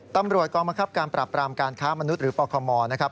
ตำรวจกองบังคับการปรับปรามการค้ามนุษย์หรือปคมนะครับ